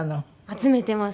集めてますね。